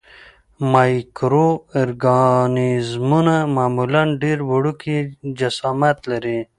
مایکرو ارګانیزمونه معمولاً ډېر وړوکی جسامت لري.